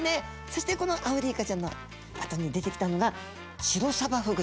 そしてこのアオリイカちゃんのあとに出てきたのがシロサバフグちゃん。